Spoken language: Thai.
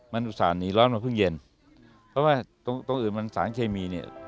มันอุตส่าห์หนีร้อนมาเพิ่งเย็นเพราะว่าตรงตรงอื่นมันสารเคมีเนี่ย